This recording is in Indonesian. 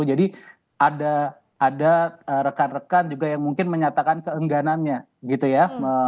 jadi ada rekan rekan juga yang mungkin menyatakan keengganannya gitu ya